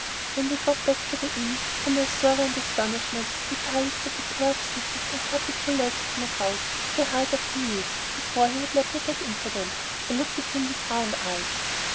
When we got back to the inn, to my sorrow and astonishment, Vitalis took a pair of scissors and cut the two legs of my trousers to the height of the knees, before he would let me get into them. I looked at him with round eyes.